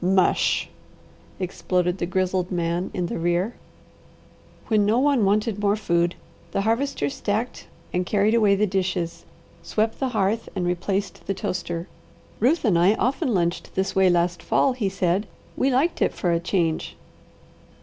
"Mush!" exploded the grizzled man in the rear. When no one wanted more food the Harvester stacked and carried away the dishes, swept the hearth, and replaced the toaster. "Ruth and I often lunched this way last fall," he said. "We liked it for a change."